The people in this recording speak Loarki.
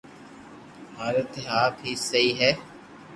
ھارو تي آپ ھي سھي ھي